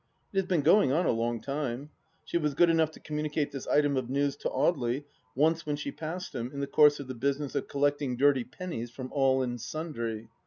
It has been going on a long time. She was good enough to communicate this item of news to Audely once when she passed him, in the course of the business of collecting dirty pennies from all and sundry.